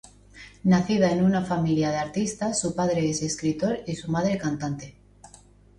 Nacida en una familia de artistas, su padre es escritor y su madre cantante.